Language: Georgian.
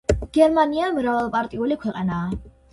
გერმანია მრავალპარტიული ქვეყანაა.